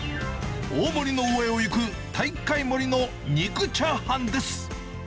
大盛りの上をゆく体育会盛りの肉チャーハンです。